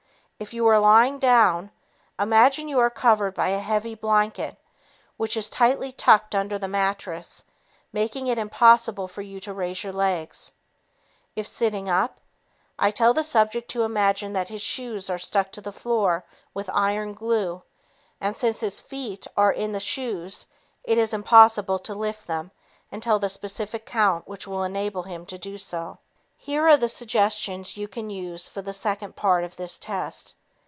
If you are lying down, imagine you are covered by a heavy blanket which is tightly tucked under the mattress, making it impossible for you to raise your legs. If sitting up, I tell the subject to imagine that his shoes are stuck to the floor with "iron glue," and since his feet are in the shoes, it is impossible to lift them until the specific count which will enable him to do so. Here are the suggestions you can use for the second part of this test.